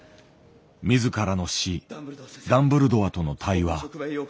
自らの師ダンブルドアとの対話。